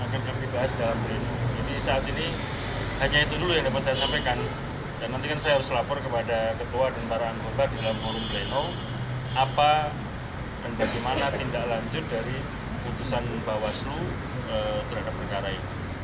apa dan bagaimana tindak lanjut dari putusan bawaslu terhadap perkara ini